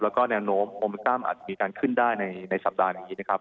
แล้วก็แนวโน้มโอมิตัมอาจมีการขึ้นได้ในสัปดาห์นี้นะครับ